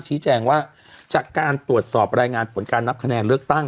ชี้แจงว่าจากการตรวจสอบรายงานผลการนับคะแนนเลือกตั้ง